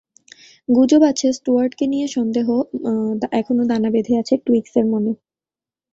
গুজব আছে, স্টুয়ার্টকে নিয়ে সন্দেহ এখনো দানা বেঁধে আছে টুইগসের মনে।